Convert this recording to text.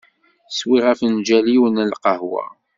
Swiɣ afenǧal-iw n lqahwa.